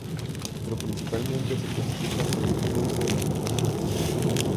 Pero principalmente se clasifican por el impulso de los motores que utilizan.